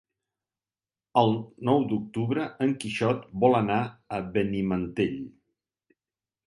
El nou d'octubre en Quixot vol anar a Benimantell.